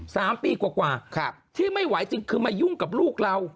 สามปีกว่าที่ไม่ไหวจึงคือมายุ่งกับลูกเรา